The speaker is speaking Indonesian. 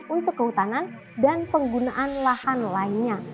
untuk kehutanan dan penggunaan lahan lainnya